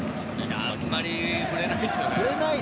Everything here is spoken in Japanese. いや、あまり振れないですよね。